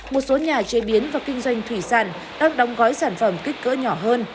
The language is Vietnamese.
một số nhà chế biến và kinh doanh thủy sản đang đóng gói sản phẩm kích cỡ nhỏ hơn